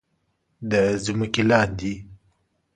د ځمکې لاندې